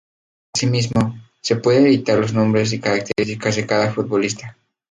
Así mismo, se pueden editar los nombres y características de cada futbolista.